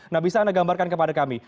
nah bisa anda gambarkan kepada kami